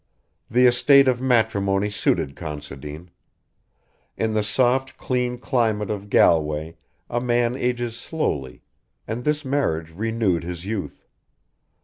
The estate of matrimony suited Considine. In the soft clean climate of Galway a man ages slowly, and this marriage renewed his youth.